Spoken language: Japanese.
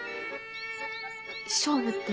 勝負って？